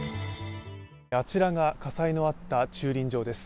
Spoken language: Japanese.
あちらが火災のあった駐輪場です。